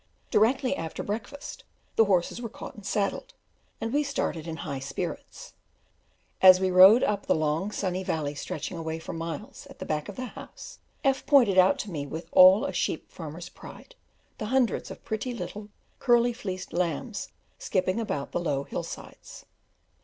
Directly after breakfast, the horses were caught and saddled, and we started in high spirits. As we rode up the long, sunny valley stretching away for miles at the back of the house, F pointed out to me, with all a sheep farmer's pride, the hundreds of pretty little curly fleeced lambs skipping about the low hill sides.